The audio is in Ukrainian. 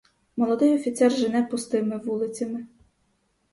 Молодий офіцер жене пустими вулицями.